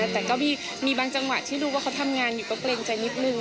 แต่ก็มีบางจังหวะที่รู้ว่าเขาทำงานอยู่ก็เกรงใจนิดนึง